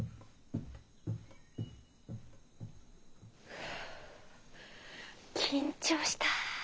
フゥ緊張した。